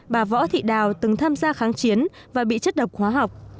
bà võ thị đào từng tham gia kháng chiến và bị chất độc hóa học